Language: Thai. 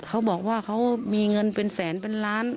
เขาบอกว่าเขามีเงินเป็นแสนเป็นล้าน